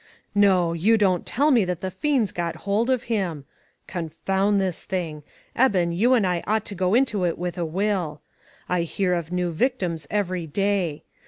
"No, you don't tell me that the fiends got hold of him ! Confound this thing ! Eben, you and I ought to go into it with a will. I hear of new victims every day.